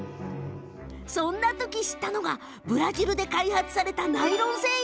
そんな時、知ったのがブラジルで開発されたナイロン繊維。